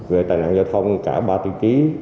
về tài nạn giao thông cả ba tiêu chí